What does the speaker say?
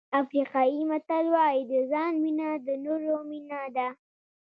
افریقایي متل وایي د ځان مینه د نورو مینه ده.